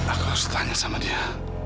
aku harus ditanya sama dia